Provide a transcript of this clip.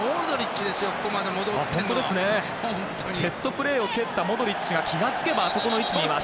セットプレーを蹴ったモドリッチが気が付けばあの位置にいます。